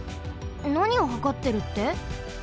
なにをはかってるって？